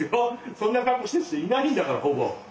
そんな格好してる人いないんだからほぼ。